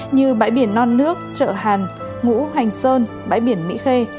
như bãi biển non nước chợ hàn ngũ hành sơn bãi biển mỹ khê